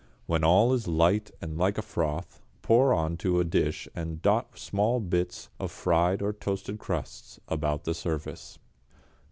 When all is light and like a froth, pour on to a dish and dot small bits of fried or toasted crusts about the surface.